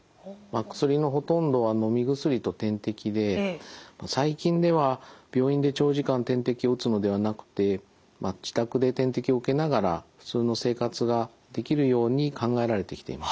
薬のほとんどはのみ薬と点滴で最近では病院で長時間点滴を打つのではなくて自宅で点滴を受けながら普通の生活ができるように考えられてきています。